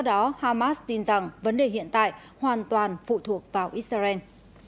do đó hamas tin rằng vấn đề hiện tại hoàn toàn phụ thuộc vào israel